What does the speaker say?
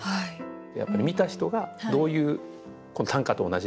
やっぱり見た人がどういう短歌と同じで。